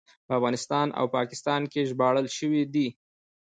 په افغانستان او پاکستان کې ژباړل شوی دی.